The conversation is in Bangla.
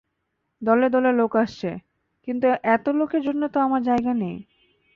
দলে দলে লোক আসছে, কিন্তু এত লোকের জন্য তো আমার জায়গা নেই।